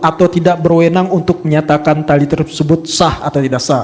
atau tidak berwenang untuk menyatakan tali tersebut sah atau tidak sah